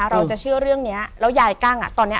เราจะเชื่อเรื่องนี้แล้วยายกั้งตอนนี้